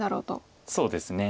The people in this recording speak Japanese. そうですね。